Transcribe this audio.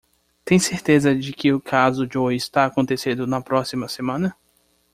Tem certeza de que o caso Joe está acontecendo na próxima semana?